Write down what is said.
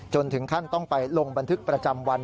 ถึงขั้นต้องไปลงบันทึกประจำวัน